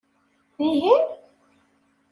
Dihin?